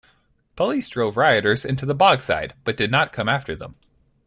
Police drove rioters into the Bogside, but did not come after them.